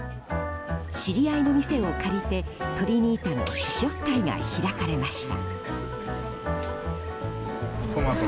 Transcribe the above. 知り合いの店を借りてトリニータの試食会が開かれました。